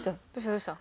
どうした？